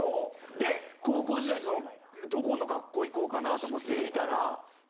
で高校時代にどこの学校行こうかなっと思って見たら。